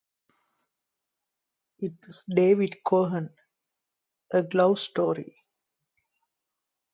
It was David Cohen, A Glove Story.